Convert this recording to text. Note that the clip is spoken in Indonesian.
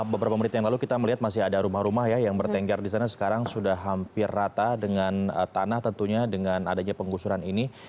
beberapa menit yang lalu kita melihat masih ada rumah rumah ya yang bertengkar di sana sekarang sudah hampir rata dengan tanah tentunya dengan adanya penggusuran ini